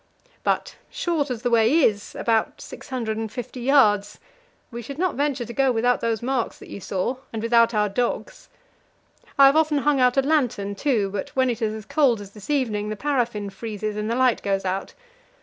But, short as the way is about 650 yards we should not venture to go without those marks that you saw, and without our dogs. I have often hung out a lantern, too; but when it is as cold as this evening, the paraffin freezes and the light goes out.